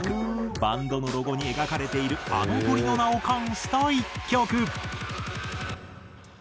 バンドのロゴに描かれているあの鳥の名を冠した一曲。